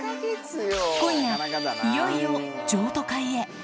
今夜、いよいよ譲渡会へ。